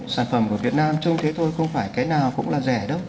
sản phẩm của việt nam trông thế thôi không phải cái nào cũng là rẻ đâu